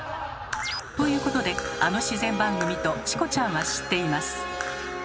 ということであの自然番組とチコちゃんは知っています。